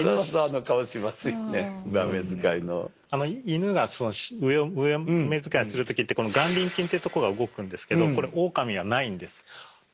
イヌがその上目使いする時ってこの眼輪筋っていうとこが動くんですけどこれオオカミにはないんです。